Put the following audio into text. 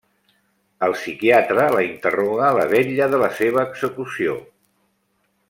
El psiquiatre la interroga la vetlla de la seva execució.